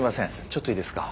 ちょっといいですか？